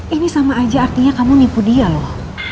ini sama aja artinya kamu nipu dia loh